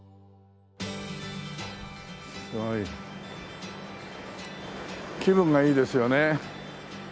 すごい。気分がいいですよね。